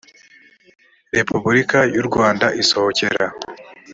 repubulika y u rwanda isohokera